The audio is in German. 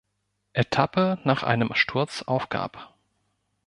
Etappe nach einem Sturz aufgab.